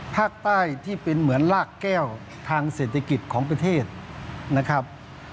ภาคใต้ที่เป็นเหมือนลากแก้วทางเศรษฐกิจของประเทศนะครับ